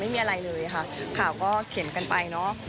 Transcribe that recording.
ไม่มีอะไรเลยค่ะข่าวก็เขียนกันไปเนอะ